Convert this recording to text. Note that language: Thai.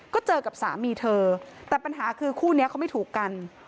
ก็เจอกับสามีเธอแต่ปัญหาคือคู่นี้เขาไม่ถูกกัน